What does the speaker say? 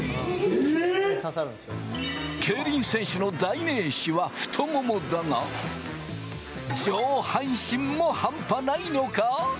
競輪選手の代名詞は太ももだが、上半身も半端ないのか？